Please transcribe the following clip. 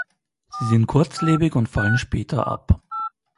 Sie sind kurzlebig und fallen später ab.